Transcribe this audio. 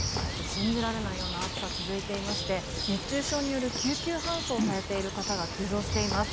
信じられないような暑さが続いていまして熱中症により救急搬送されている方が急増しています。